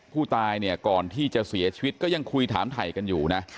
ผู้ตายเนี่ยก่อนที่จะเสียชีวิตก็ยังคุยถามถ่ายกันอยู่นะ